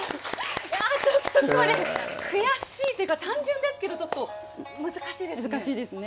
ちょっとこれ、悔しいというか、単純ですけど、ちょっと難し難しいですね。